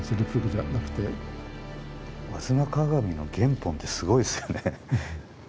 「吾妻鏡」の原本ってすごいですよね。